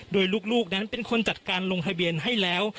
โดยลูกนั้นเป็นคนจัดการลงทะเบียนให้แล้ว